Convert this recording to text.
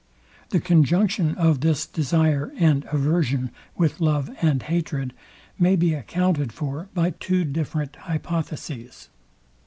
The conjunction of this desire and aversion with love and hatred may be accounted for by two different hypotheses.